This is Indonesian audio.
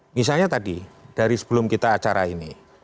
misalnya tadi dari sebelum kita acara ini